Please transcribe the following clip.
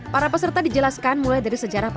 para peserta dijelaskan mulai dari sejarah